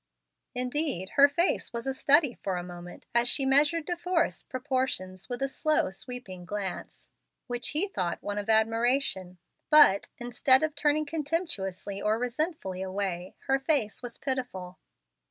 Indeed her face was a study for a moment as she measured De Forrest's proportions with a slow, sweeping glance, which he thought one of admiration. But, instead of turning contemptuously or resentfully away, her face was pitiful.